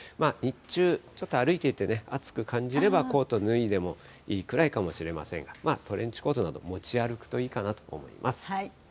日中、ちょっと歩いていて暑く感じれば、コート脱いでもいいくらいかもしれませんが、トレンチコートなど、持ち歩くといいかなと思います。